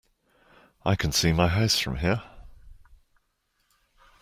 I can see my house from here!